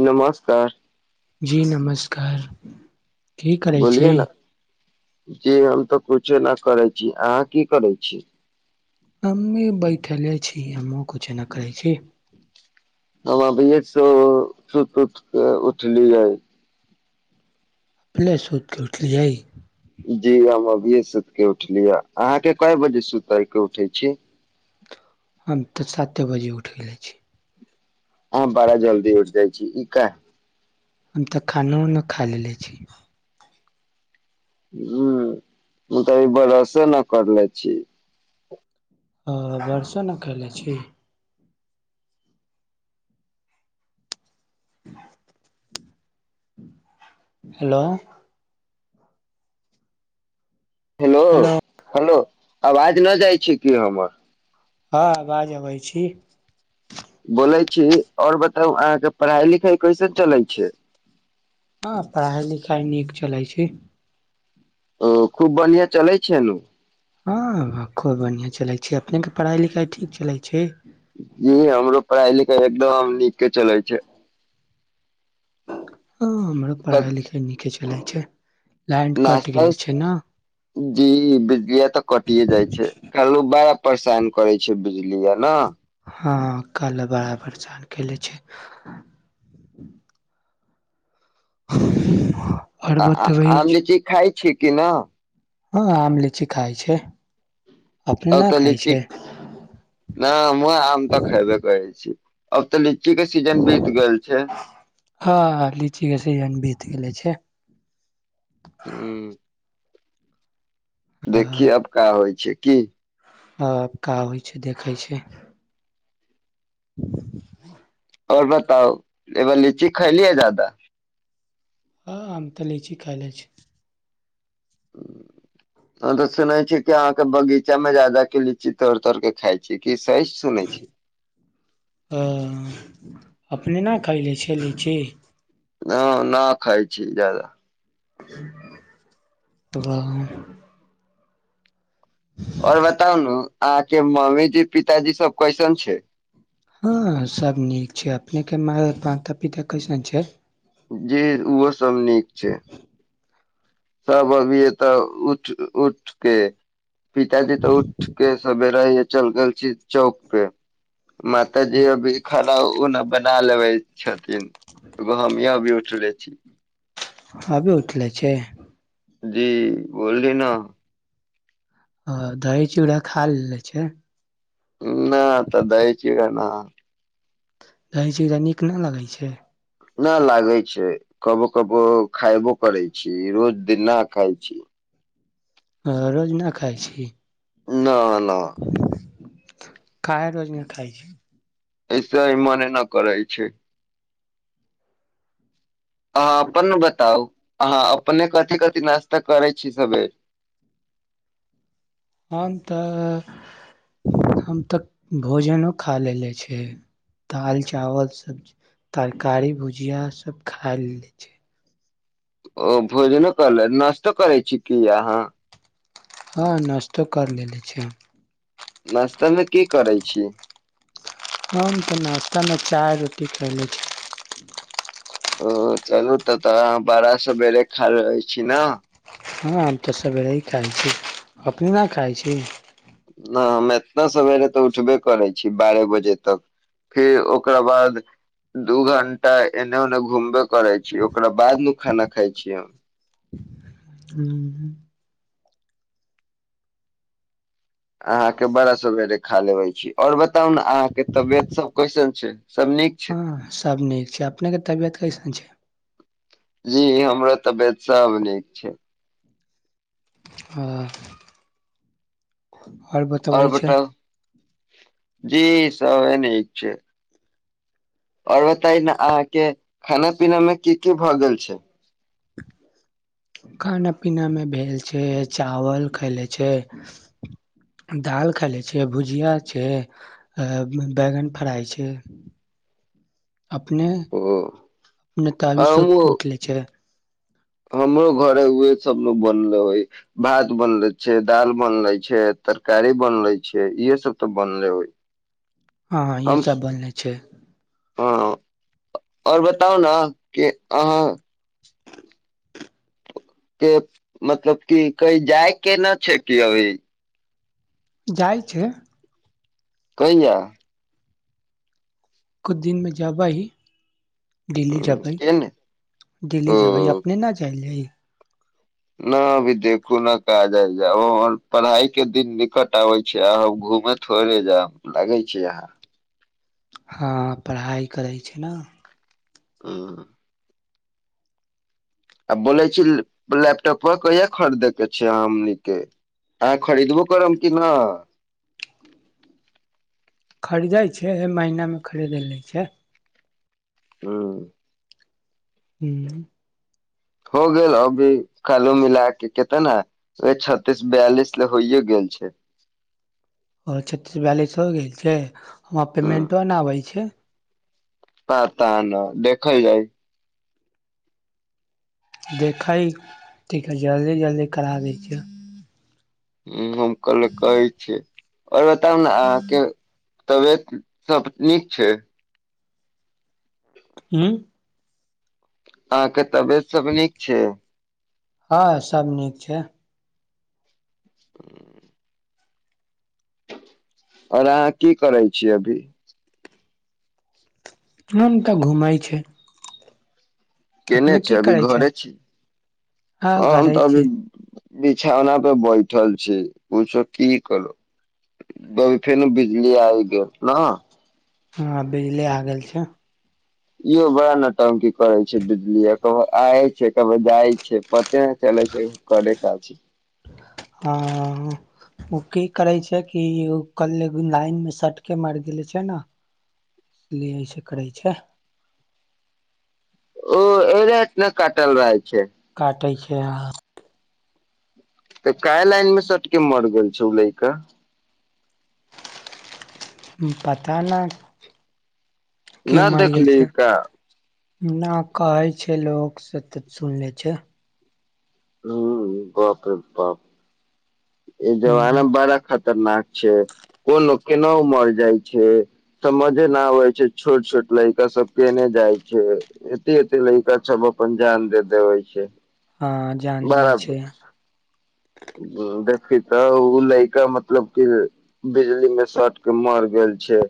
नमस्कार जी नमस्कार। की करै छी। बोलिये न जी हम तऽ कुछो नहि करै छी, अहाँ की करै छी। हमे बैठेले छी हमो कुछे नइ करै छी। ह अभीयै स सूत-उठ उठलीय। अखने सुतिके उठलियै। जी, हम अभिये सुति के उठलियै। अहाँ के कय बजे सुति के उठै छियै। हम त साते बजे उठि जाइ छी। हँ बड़ा जल्दी उठ जाइ छी ई क। हम तऽ खानो-उनो खा लेले छी। ह तऽ बरसे नहि करले छी। ह बरसों ने कइलै छी। [unintelligible] हेलो। हेलो। हेलो आवाज नहि जाइ छै कि हमर। हँ आवाज अबै छी। बोले छी आऔर बताउ अहाँके पढ़ाई- लिखाई। कैसन चलै छै। बड़ी नीक चलइ छै। ओ खूब बढ़िया चलै छै नू। हँ खूब बढ़िआँ चलै छै, अपनेके पढ़ाई-लिखाइ ठीक चलै छै। जी हमरो पढ़ाई-लिखाई एकदम नीके चलै छै। ह हमरो पढ़ाई-लिखाई नीके छै। चलै छै। लाइन कट नश्ता गेले छै न जी बीजलिया तऽ कटिए जाइ छै, काइलौं बा। परेशान करे छै बिजली य ने। हँ कल बड़ा परेशान कले छै। [unintelligible] आ बतबै आम छी जे चीज खाय छी। कि ना। हँ आम-लीची खाय छै। अपने आ न तऽ खाय लची छै नहि हम आम तऽ खेबे करै छी। अब तऽ लि। ची के सीजन बीत गेल छै। हँ लीची के सीजन बीत गेले छै। हूं। देखिये आब का होइ छै। की। आ का होइ छै, देखै छै। आओर बताउ ए बेर लीची खैलीयै ज्यदा। हँ हम तऽ लीची खैले छी। तऽ सुनै छी कि अहाँके बगीचा मे जा जा के लीची तौड़-तौड़ के खाय छी की? सही सुनै ह छी अपने ने खेलै छली की? हम न खाय छी ज्यादा। तऽब। आओर बताउ न अहाँके मम्मीजी-पिताजी सब कैसन छै। हँ सब नीक छै। अपने के माता-पिता कैसन छै? जी ओहो एकदम नीक छै। सभ अभीये तऽ उठ उठके पिताजी तऽ उठके सबेरहि चल गेल छी चौक पे। माता जी अभी खड़ा ओ ने। बना लेबै छथि। एगो हमये अभी उठले छी। अभी उठले छी? जी बोली ने ह दही चूड़ा खा लेने छै। ना तऽ दही चुरा ना। दही-चूरा नीक नहि लगै छै? नहि लागै छै कबो कबो खायबो करै छी रोज दिन नहि खाय छी। ह रोज न खाय छी? न न काहे रोज नहि खाय छी? ऐसा ही मने न करै छै। अहाँ अपन ने बताउ अहाँ अपने कथी कथी नाश्ता करै छी सवेर? हम तऽ हम तऽ भोजनो खा लेले छिय दालि, चावल, सब्जी, तरकारी, भुजिया सभ खा लेने छी। ओ भोजनो करले नश्तो करै छी की अहाँ? हँ नस्तो कर लेले छी। नश्तामे की करैत छी? हम तऽ नास्ता में चाय-रोटी खयलै छी। ओ चलू तऽ तऽ बड़ा सवेरे खा रहै छी ने? हँ हम तऽ सवेरे ही खाइ छी। अपने ने खाइ छी? न हम एतना सवेरे तऽ उठबे करै छी बारह बजे तक। फिर ओकरा बाद दू घंटा एने ओने घूमबे करै छी। ओकरा बाद न खाना खाइ छीयै हम। ह अहाँके बड़ा सवेरे खा लेबे छी। आऔर ब बताउ ने अहाँके तबियत सब कैसन? छै सब नीक छै हँ सब नीक छै अपने के तबियत कैसन छै। जी हमर तबियत सब नीक छै। [unintelligible] आ। [unintelligible] आओर बतबै छै। [unintelligible] जी सब ए न ई छै। [unintelligible] आओर बताय ने अहाँके खाना पीना मे की की भए गेल छै? खाना पीना मे भेल छै, चावल खाले छै, दालि खाले छै, भुजिया छै आ बैगन फ्राई छै। अपने ओ अपने तावी सूत हमहु के उठले छै? हमरो घर उहे सभ बनले होइ भात बनले छै दाल बनले छै तरकारी बनले छै इहे सभ तऽ बनले होइ। हँ -हँ यह हम सब बोलल छै। [unintelligible] हँ [unintelligible] आओर बताउ ने कि अहाँ। [unintelligible] के मतलब की कई जाय के न छै कि अभी। [unintelligible] जाइ छै। [unintelligible] कहीया। [unintelligible] कुछु दिनमे जाबा ही। [unintelligible] ह दिल्ली जेबै- के ने दिल्ली जेबै ओ अपने न जाइलय। [unintelligible] न अभी देखू ने काज आइ जाब हमर पढ़ाई के दिन निकट आबै छै आ हम घूमे थोड़े जायब लगै छी यहाँ। [unintelligible] हँ पढ़ाइ करै छै ने। [unintelligible] हं। [unintelligible] आ बोलै छी लैपटॉप पर कहिया खरीदे के छै आमनीक के अहाँ खरीदबो करब कि न। [unintelligible] खरीदै छै एहि महीनामे खरीदै लै छै। [unintelligible] हँ। [unintelligible] ह्मं। [unintelligible] हो गेल अभी कालू मिलाक केतेना ओे छत्तीस बयालिस लए होइए गेल छै। [unintelligible] ओ छत्तस वैलस गेल छै। [unintelligible] हमरा ह पेमेन्टो नहि आबै छै। [unintelligible] पता नई देखै जाइ। [unintelligible] देखै ठीक हइ जल्दी -जल्दी करा दै छियै। हम कल कहै छियै। [unintelligible] आओर बताउ ने -अहाँके तबियत- सब नीक छै। [unintelligible] हँ। [unintelligible] अहाँके तबियत सब नीक छै। [unintelligible] हँ सब नीक छै। [unintelligible] हं। [unintelligible] आओर अहाँ की करै छीियै अभी। [unintelligible] नाम तऽ घुमय छै। [unintelligible] केने अपने छी की अभी करे छै घरे छी हाँ [unintelligible] हम घरे तऽ अभी। छी बिछौना पे बैठल छी पूछो की करोभी फेन बिजली आब गेल ने। [unintelligible] हँ बिजली आ गेल छै। [unintelligible] इहो बड़ा नटंकी करै छै बिजली आ क आय छै कभो जाइ छै पते नहि चलै छै करे क छै। [unintelligible] ह ओ की करै छै कि कल लाइन मे सटके मारि गेले छै ने इसलिए ऐसे करै छै। [unintelligible] ओ ए रत ने कटल रहय छै। कटै छै। [unintelligible] तऽ काय लाइन में सटके मर गेल छै ओ लैऽका। पता न। क्यो नहि मर गेल देखली छै क। न कहै छै लोक से तऽ सुन ले छै। हूं, बाप रे बाप। ए जबना हँ बड़ा ख। [unintelligible] खतरनाक छै कोन केना उमर जाइ छै समझे न आबै छै छोट- छोट लड़िका सब केने जाइ छै एते- एते लड़िका सब अपन जान दे देवे छै।। हँ जान दै बड़ा छै। देखी तऽ ओ लड़का मतलब क बिजली मे सट के मर गेल छै।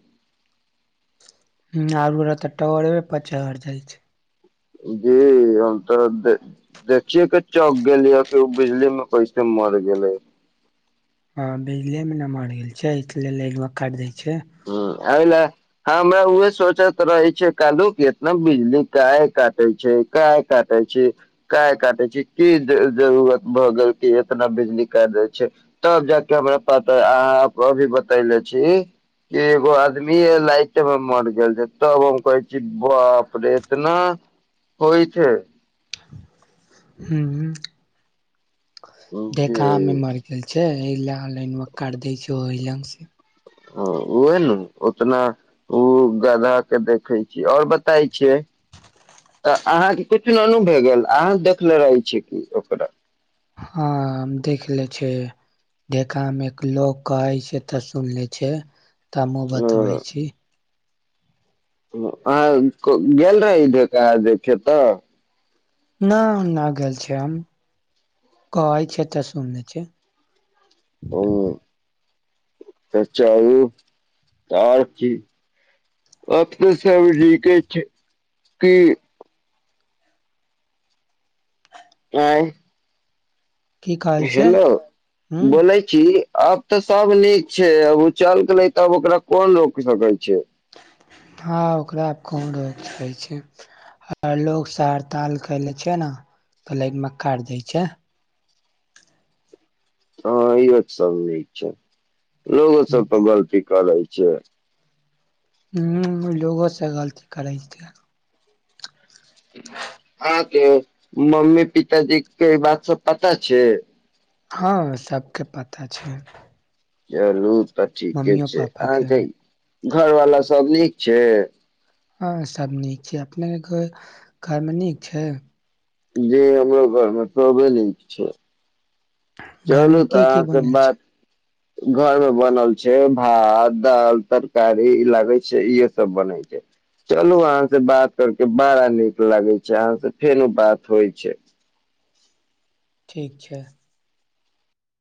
ह आरू रह तऽ टवरे प चहर जाइ छै। जी हम तऽ देखियए के चौक गेलिय कि ओ बिजली में कैसे मरि गेलै। हँ बिजली में न मर गेल छै, इसले लाइनबा काट दै। छै हूं आयले। हमरा उहे सोचत रहे छै, कलहू इतना बिजली काहे काटे छै, काहे काटे छै, काय काटे छै, की जरूरत भ गेल की इतना बिजली काट दै छै, तब जाक हमरा पता अहाँ अभी बतले छी। एगो आदमी राइत में मर गेल छै, तब हम कहै छी बापरे एतना होइ छै। हूं हूं। जे देखा में मरि गेल छै। अए ले लाइन काट दै छै, ओहि लग से। ह ओह नू उतना ओ गधा के देखे छी, आओर बताय छै। अहाँके किछु ननू भए गेल अहाँ देखले रहै छी कि ओकरा। हँ हम देख ले छै ढेका में एक लोक कहै छै तऽ सुन ले छै। त हमहुँ बतबै छी। अहाँ गेल रही ढेखा र देखै तऽ। ना न गल छै हम, कहइ छै तऽ सुनें छै। ओ तऽ चलू, तऽ आर की, अब सब नीके छै की। आँ। की कहै छै हेलो, हुं बोलै छी। अब तऽ सब नीक छै, अब ओ चल गेलै तब ओकरा कोन रोक सकै छै। हँ ओकरा आब कोन रोक सकैइ छै, आ लोग सब हरताल कलै छै ने तऽ लाइनमा काट दै छै। हँ ईहो सब न छै। लोगों सब तऽ गलती। करै छै। हूं लोगो से गलती करैत छै। अहाँके मम्मी- पिताजी के ई बात सब पता छै। हँ सभके पता छै। चलू। तऽ ठीके मम्मियो छै, पापा के अहाँके घर वाला सब नीक। छै। हँ सब नीक छै, अपने घर में नीक छै। जी हमरो घर में सबे नीक छै। घर चलू में की तऽ की अहाँ से बनल छै बात घरमे बनल छैय भात दाल तरकारी लागै छैय, इहे सब बनै छैय, चलू अहाँ से बात करके बड़ा नीक लागे छैय, अहाँ से फेनो बात होइ छैय। ठीक छैय।